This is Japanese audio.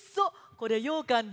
これようかんですか？